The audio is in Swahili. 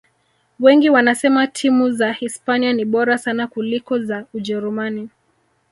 wengi wanasema timu za hispania ni bora sana kuliko za ujerumani